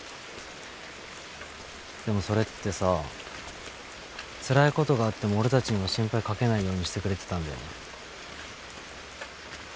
でもそれってさつらいことがあっても俺たちには心配かけないようにしてくれてたんだよね。